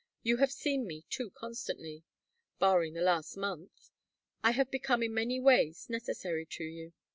You have seen me too constantly barring the last month. I have become in many ways necessary to you.